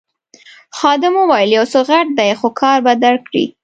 خادم وویل یو څه غټ دی خو کار به درکړي.